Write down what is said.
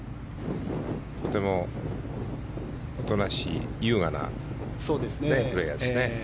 とてもおとなしい優雅なプレーヤーですね。